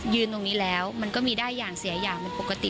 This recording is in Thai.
ตรงนี้แล้วมันก็มีได้อย่างเสียอย่างเป็นปกติ